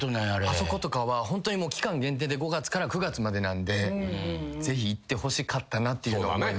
あそことかはホントに期間限定で５月から９月までなんでぜひ行ってほしかったなっていうのは思いますね。